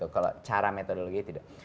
kalau cara metodologi tidak